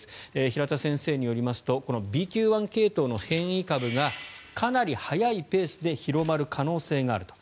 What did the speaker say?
平田先生によりますとこのＢＱ．１系統の変異株がかなり早いペースで広まる可能性があると。